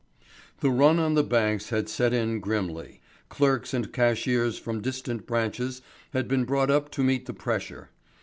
The run on the banks had set in grimly. Clerks and cashiers from distant branches had been brought up to meet the pressure.